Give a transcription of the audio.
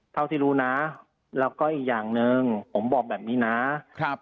เท่าที่รู้นะแล้วก็อีกอย่างหนึ่งผมบอกแบบนี้นะครับ